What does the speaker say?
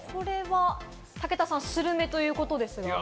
武田さん、スルメということですが。